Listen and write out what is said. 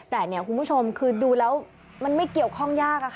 แต่คุณผู้ชมคือดูแล้วมันไม่เกี่ยวข้องยาก